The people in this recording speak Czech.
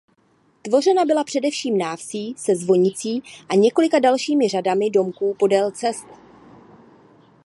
Tvořena byla především návsí se zvonicí a několika dalšími řadami domků podél cest.